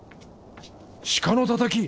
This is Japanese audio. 鹿のたたき！？